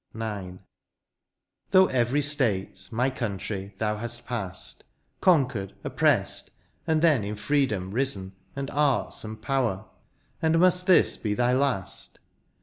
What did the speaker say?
IX. Through every state, my country, thou hast past. Conquered, oppressed, and then in freedom risen. And arts and power — and must this be thy last